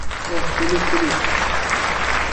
Oh, please please!